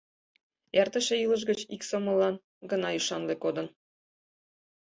Эртыше илыш гыч ик сомыллан гына ӱшанле кодын.